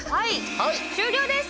終了です！